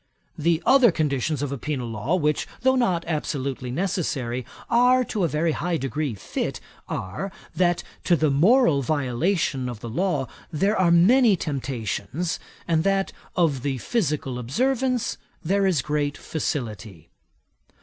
The other conditions of a penal law, which though not absolutely necessary, are to a very high degree fit, are, that to the moral violation of the law there are many temptations, and that of the physical observance there is great facility.